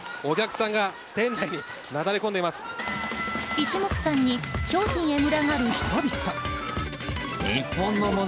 一目散に商品へ群がる人々。